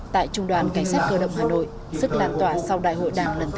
tại trung đoàn cảnh sát cơ đồng hà nội sức làm tỏa sau đại hội đảng lần thứ một mươi hai